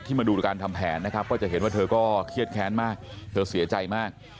มาดูการทำแผนนะครับก็จะเห็นว่าเธอก็เครียดแค้นมากเธอเสียใจมาก